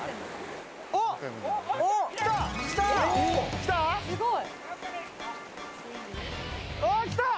おっ、来た！